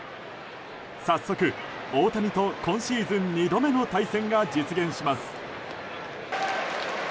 早速、大谷と今シーズン２度目の対戦が実現します。